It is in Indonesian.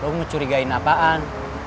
lo mau curigain apaan